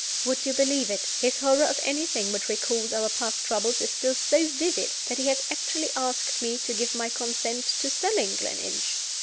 Would you believe it? his horror of anything which recalls our past troubles is still so vivid that he has actually asked me to give my consent to selling Gleninch!"